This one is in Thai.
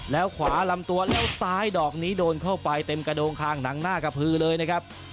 แล้วขวาลำตัวแล้วซ้ายดอกนี้โดนเข้าไปเต็มกระโดงคางหนังหน้ากระพือเลยนะครับ